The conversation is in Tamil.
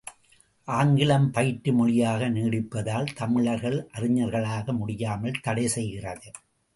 ஆங்கிலம் பயிற்று மொழியாக நீடிப்பதால் தமிழர்கள் அறிஞர்களாக முடியாமல் தடை செய்கிறது.